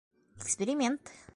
Эксперимент!..